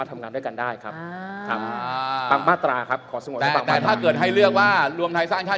แต่ถ้าเกิดให้เลือกว่ารวมไทยสร้างชาติ